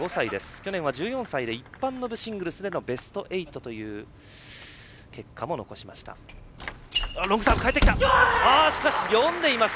去年は１４歳で一般の部、シングルスでのベスト８という結果も残しました。